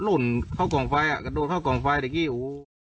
หล่นเข้ากล่องไฟอ่ะกระโดดเข้ากล่องไฟแต่กี้โอ้โห